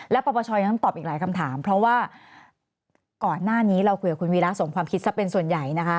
และปปชยังตอบอีกหลายคำถามเพราะว่าก่อนหน้านี้เราคุยกับคุณวีระสมความคิดซะเป็นส่วนใหญ่นะคะ